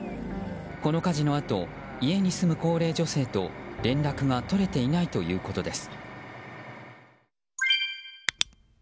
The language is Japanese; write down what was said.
この火事のあと家に住む高齢女性と連絡が取れていないということです。